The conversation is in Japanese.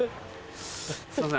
すいません